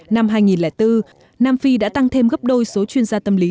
năm hai nghìn bốn nam phi đã tăng thêm gấp đôi số chuyên gia tâm lý